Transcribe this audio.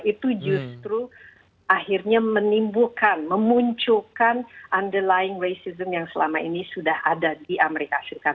itu justru akhirnya menimbulkan memunculkan underlying resistance yang selama ini sudah ada di amerika serikat